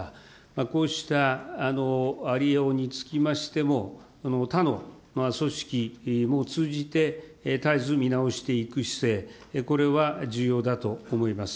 こうしたありようにつきましても、他の組織も通じて絶えず見直していく姿勢、これは重要だと思います。